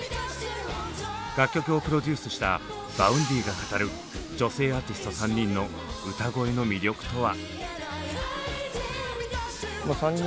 楽曲をプロデュースしたＶａｕｎｄｙが語る女性アーティスト３人の歌声の魅力とは。